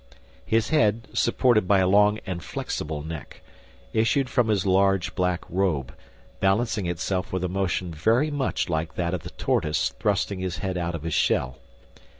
His head, supported by a long and flexible neck, issued from his large black robe, balancing itself with a motion very much like that of the tortoise thrusting his head out of his shell.